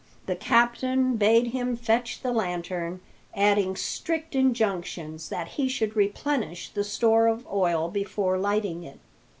The captain bade him fetch the lantern, adding strict injunctions that he should replenish the store of oil before lighting it.